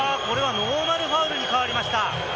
ノーマルファウルに変わりました。